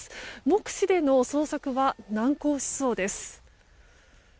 目視での捜索は難航しそうです。